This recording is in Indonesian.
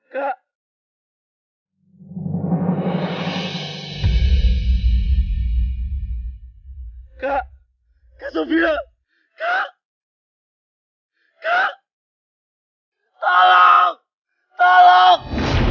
kak kak sofia kak kak tolong tolong